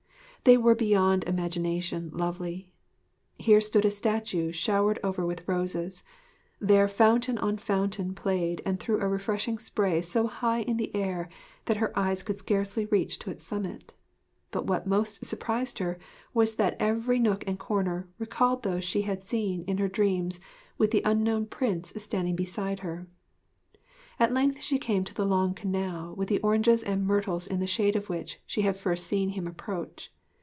They were beyond imagination lovely. Here stood a statue showered over with roses; there fountain on fountain played and threw a refreshing spray so high in the air that her eyes could scarcely reach to its summit. But what most surprised her was that every nook and corner recalled those she had seen in her dreams with the unknown Prince standing beside her. At length she came to the long canal with the oranges and myrtles in the shade of which she had first seen him approach.